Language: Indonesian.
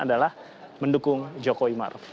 adalah mendukung jokowi ma'ruf